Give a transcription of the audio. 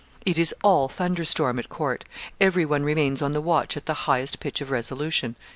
It is all thunder storm at court; everyone remains on the watch at the highest pitch of resolution."